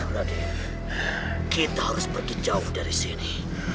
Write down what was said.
berarti kita harus pergi jauh dari sini